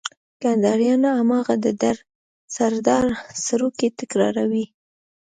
کنداريان هماغه د ډر سردار سروکی تکراروي.